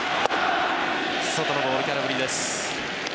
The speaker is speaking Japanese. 外のボール、空振りです。